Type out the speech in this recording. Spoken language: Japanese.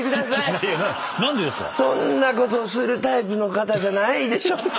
そんなことをするタイプの方じゃないでしょ。